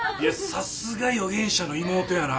さすが予言者の妹やな。